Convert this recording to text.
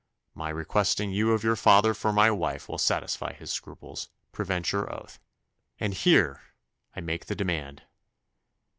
My requesting you of your father for my wife will satisfy his scruples, prevent your oath and here I make the demand."